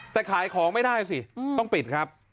แต่ขายของไม่ได้สิต้องปิดครับ